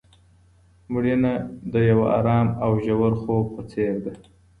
مړینه د یو ارام او ژور خوب په څیر ده.